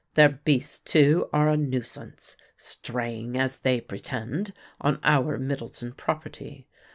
Their beasts too are a nuisance, straying, as they pretend, on our Middleton property.